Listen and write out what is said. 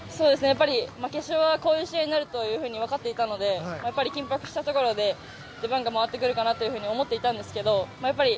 決勝はこういう試合になると分かっていたので緊迫したところで出番が回ってくるかなと思ってたんですけど